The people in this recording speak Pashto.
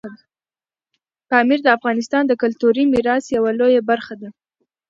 پامیر د افغانستان د کلتوري میراث یوه لویه برخه ده.